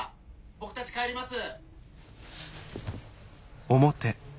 僕たち帰ります。